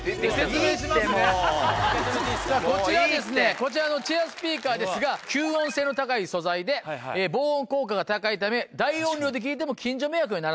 こちらのチェアスピーカーですが吸音性の高い素材で防音効果が高いため大音量で聴いても近所迷惑にならない。